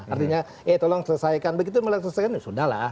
artinya ya tolong selesaikan begitu melihat selesaikan ya sudah lah